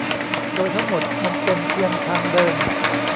โดยทั้งหมดมันเป็นเพียงทางเดิน